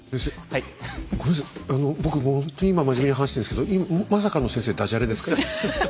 先生あの僕もうほんとに今真面目に話してるんですけどまさかの先生ダジャレですか？